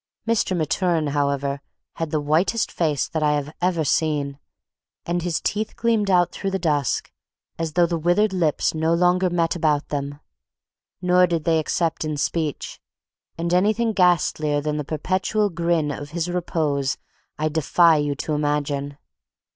Mr. Maturin, however, had the whitest face that I have ever seen, and his teeth gleamed out through the dusk as though the withered lips no longer met about them; nor did they except in speech; and anything ghastlier than the perpetual grin of his repose I defy you to imagine.